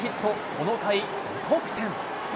この回、５得点。